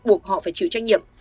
buộc họ phải chịu trách nhiệm